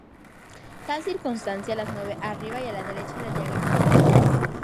Tal circunstancia las mueve arriba y a la derecha del diagrama.